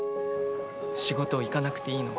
仕事行かなくていいの？